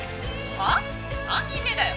はぁ！？何人目だよ？